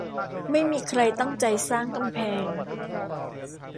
ไม่มีใครตั้งใจสร้างกำแพง